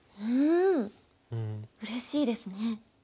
うれしいですね。